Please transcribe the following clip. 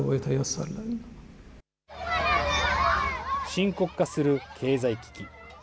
深刻化する経済危機。